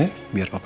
tidak ada apa apa